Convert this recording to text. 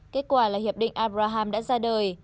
kết quả là hiệp định abraham đã ra đời